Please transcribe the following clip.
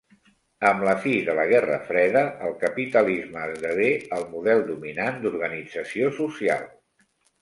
Amb la fi de la Guerra Freda el capitalisme esdevé el model dominant d'organització social.